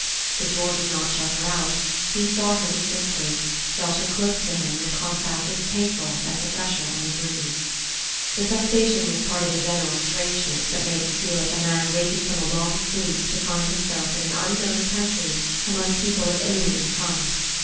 The door did not shut her out he saw her distinctly, felt her close to him in a contact as painful as the pressure on a bruise. The sensation was part of the general strangeness that made him feel like a man waking from a long sleep to find himself in an unknown country among people of alien tongue.